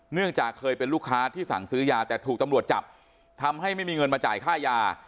เนื่องจากเคยเป็นลูกค้าที่สั่งซื้อยาแต่ถูกตำรวจจับทำให้ไม่มีเงินมาจ่ายค่ายา